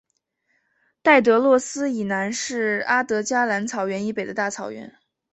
戴德洛斯以南是阿德加蓝草原以北的大草原。